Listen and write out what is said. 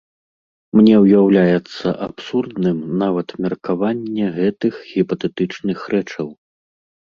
Мне ўяўляецца абсурдным нават абмеркаванне гэтых гіпатэтычных рэчаў.